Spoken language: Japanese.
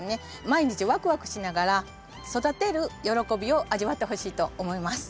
毎日ワクワクしながら育てる喜びを味わってほしいと思います。